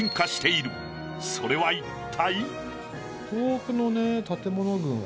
それは一体？